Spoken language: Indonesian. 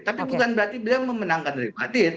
tapi bukan berarti beliau memenangkan real madrid